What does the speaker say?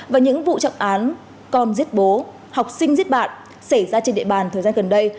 và những vụ trọng án con giết bố học sinh giết bạn xảy ra trên địa bàn thời gian gần đây